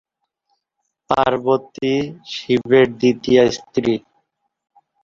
পার্বতী শিবের দ্বিতীয়া স্ত্রী।